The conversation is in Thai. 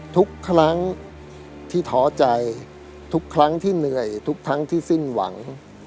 ทุกครั้งที่ท้อใจทุกครั้งที่เหนื่อยทุกครั้งที่สิ้นหวัง